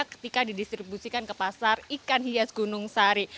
ketika didistribusikan ke pasar ikan hias gunung sari